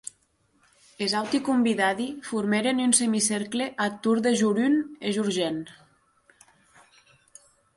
Es auti convidadi formèren un semicercle ath torn de Jorun e Jorgen.